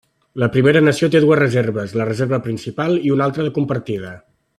La Primera Nació té dues reserves, la reserva principal i una altra de compartida.